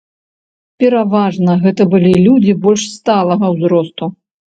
Пераважна гэта былі людзі больш сталага ўзросту.